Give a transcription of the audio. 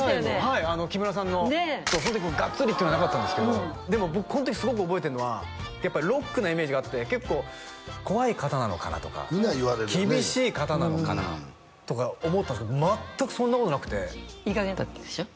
はい木村さんのその時がっつりっていうのはなかったんですけどでも僕この時すごく覚えてるのはやっぱロックなイメージがあって結構怖い方なのかなとかみんなに言われるよね厳しい方なのかなとか思ったんですけど全くそんなことなくていい加減だったでしょ？